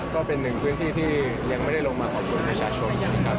ก็เป็นหนึ่งพื้นที่ที่ยังไม่ได้ลงมาขอบคุณประชาชนนะครับ